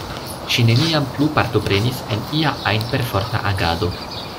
Ŝi neniam plu partoprenis en ia ajn perforta agado.